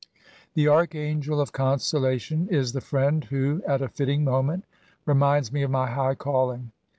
The archangel of consolation is the fiiend who, at a fitting moment, reminds me of my high caUing.